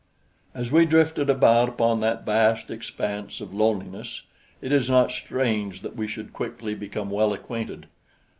As we drifted about upon that vast expanse of loneliness it is not strange that we should quickly become well acquainted.